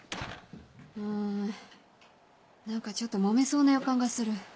うん何かちょっともめそうな予感がする。